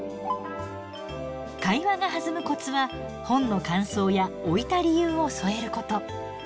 会話が弾むコツは本の感想や置いた理由を添えること。